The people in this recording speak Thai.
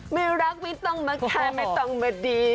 ไม่รักไม่ต้องมาแค่ไม่ต้องมาดี